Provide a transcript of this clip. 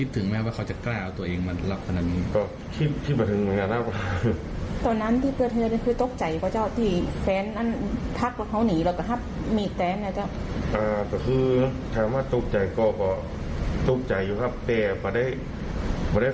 แต่คนทำไม่กว่าครับ